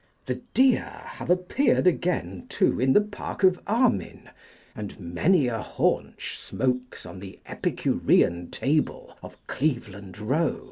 The deer have appeared again too in the park of Armine, and many a haunch smokes on the epicurean table of Cleveland row.